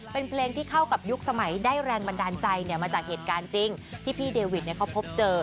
เป็นเพลงที่เข้ากับยุคสมัยได้แรงบันดาลใจมาจากเหตุการณ์จริงที่พี่เดวิดเขาพบเจอ